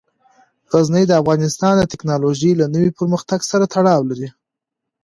غزني د افغانستان د تکنالوژۍ له نوي پرمختګ سره تړاو لري.